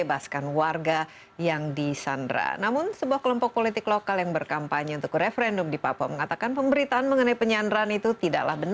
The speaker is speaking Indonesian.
akta di balik peristiwa ini